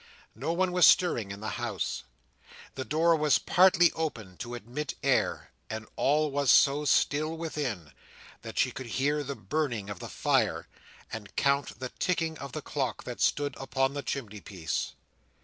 No one was stirring in the house. The door was partly open to admit air; and all was so still within, that she could hear the burning of the fire, and count the ticking of the clock that stood upon the chimney piece.